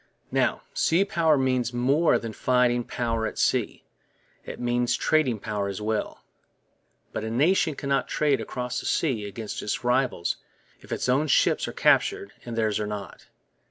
Now, sea power means more than fighting power at sea; it means trading power as well. But a nation cannot trade across the sea against its rivals if its own ships are captured and theirs are not.